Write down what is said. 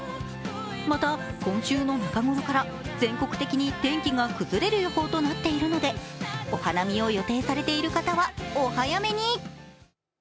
また今週の中ごろから全国的に天気が崩れる予報となっているのでお花見を予定されている方はお早めに。